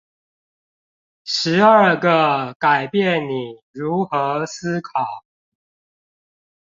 十二個改變你如何思考